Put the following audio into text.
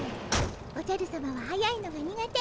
おじゃるさまははやいのが苦手。